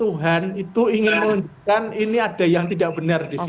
tuhan itu ingin menunjukkan ini ada yang tidak benar di sini